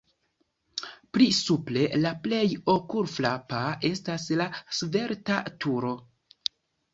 Pli supre la plej okulfrapa estas la svelta turo.